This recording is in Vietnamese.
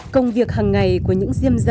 công việc hằng ngày của những diêm dân